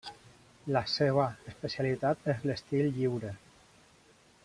La seva especialitat és l'estil lliure.